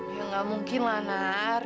ya nggak mungkin lah nar